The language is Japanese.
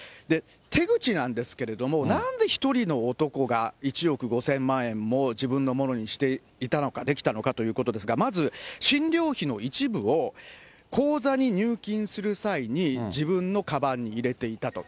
手口なんですけれども、なんで１人の男が１億５０００万円も自分のものにしていたのか、できたのかということですが、まず診療費の一部を口座に入金する際に自分のかばんに入れていたと。